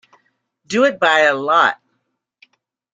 Do it by a lot.